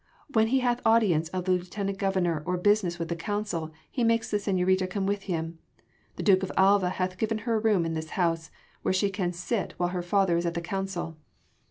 When he hath audience of the Lieutenant Governor or business with the council he makes the señorita come with him. The Duke of Alva hath given her a room in this house, where she can sit while her father is at the Council."